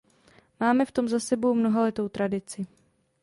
Máme v tom za sebou mnohaletou tradici.